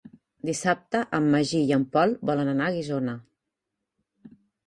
Dissabte en Magí i en Pol volen anar a Guissona.